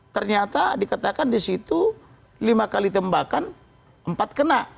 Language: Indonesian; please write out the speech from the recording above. ternyata dikatakan di situ lima kali tembakan empat kena